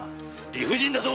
理不尽だぞ！